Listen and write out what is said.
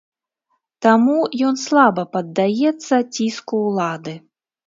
Таму ён слаба паддаецца ціску ўлады.